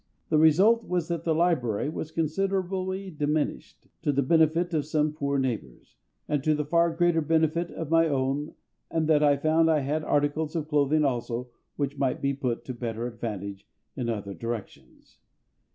The result was that the library was considerably diminished, to the benefit of some poor neighbours, and to the far greater benefit of my own and that I found I had articles of clothing also which might be put to better advantage in other directions.